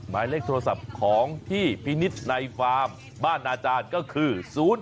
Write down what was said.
หมายเลขโทรศัพท์ของพี่นิดในบ้านอาจารย์ก็คือ๐๖๒๓๖๑๒๐๗๙